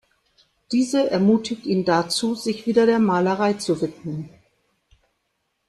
Diese ermutigt ihn dazu, sich wieder der Malerei zu widmen.